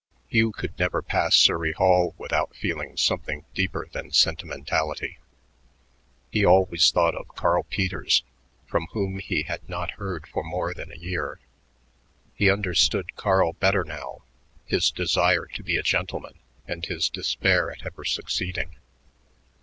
Hugh could never pass Surrey Hall without feeling something deeper than sentimentality. He always thought of Carl Peters, from whom he had not heard for more than a year. He understood Carl better now, his desire to be a gentleman and his despair at ever succeeding.